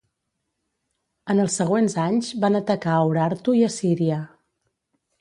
En els següents anys van atacar Urartu i Assíria.